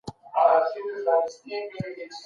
د ښوونځیو ښوونکې اکثره ښځي وې.